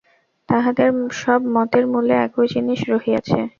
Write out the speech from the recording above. তাহাদের সব মতের মূলে একই জিনিষ রহিয়াছে।